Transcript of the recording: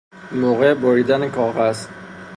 موقع بریدن کاغذ